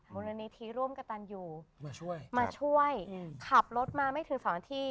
มรณีทีร่วมกับตันอยู่มาช่วยขับรถมาไม่ถึงสองนาที